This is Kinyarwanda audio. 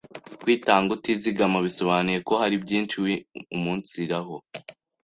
Kwitanga utizigama bisobanuye ko hari byinshi wiumunsiraho